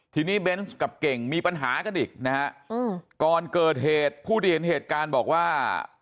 ทีนี้เบนส์กับเก่งมีปัญหากันอีกนะฮะก่อนเกิดเหตุผู้ที่เห็นเหตุการณ์บอกว่า